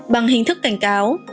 bằng hình thức cảnh cáo